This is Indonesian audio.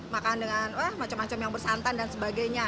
makan dengan wah macam macam yang bersantan dan sebagainya